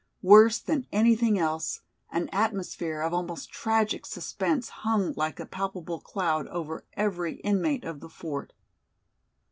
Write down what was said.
Worse than anything else, an atmosphere of almost tragic suspense hung like a palpable cloud over every inmate of the fort.